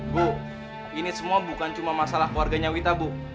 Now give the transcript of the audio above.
bu ini semua bukan cuma masalah keluarganya wita bu